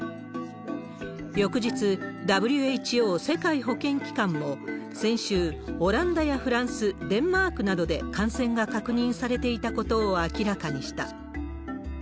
翌日、ＷＨＯ・世界保健機関も、先週、オランダやフランス、デンマークなどで感染が確認されていたことを明らかにした。